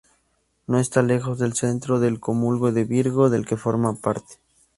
No está lejos del centro del cúmulo de Virgo, del que forma parte.